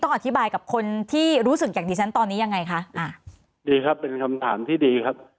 อธิบายกับคนที่รู้สึกอย่างดิฉันตอนนี้ยังไงคะอ่าดีครับเป็นคำถามที่ดีครับ